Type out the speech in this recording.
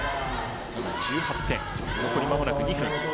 今、１８点残りまもなく２分。